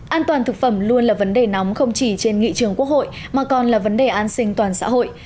an toàn thực phẩm luôn là vấn đề nóng không chỉ trên nghị trường quốc hội mà còn là vấn đề an sinh toàn xã hội